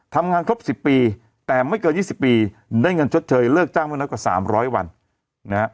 ทำงานครบ๑๐ปีแต่ไม่เกิน๒๐ปีได้เงินชดเชยเลิกจ้างมาน้อยกว่า๓๐๐วันนะฮะ